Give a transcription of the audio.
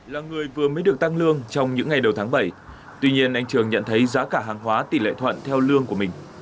là người vừa mới được tăng lương trong những ngày đầu tháng bảy tuy nhiên anh trường nhận thấy giá cả hàng hóa tỷ lệ thuận theo lương của mình